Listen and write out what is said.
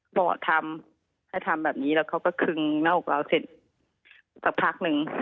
บอกทำให้ทำแบบนี้แล้วเขาก็คึงหน้าอกเราเสร็จสักพักหนึ่ง